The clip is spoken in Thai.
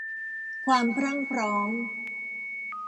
ความพรั่งพร้อม